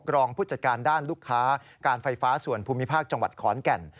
รองผู้จัดการด้านลูกค้าการไฟฟ้าส่วนภูมิภาคจังหวัดขอนแก่น